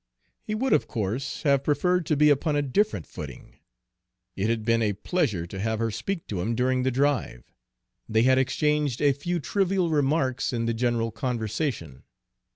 He would, of course, have preferred to be upon a different footing. It had been a pleasure to have her speak to him during the drive, they had exchanged a few trivial remarks in the general conversation.